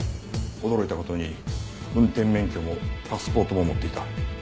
驚いた事に運転免許もパスポートも持っていた。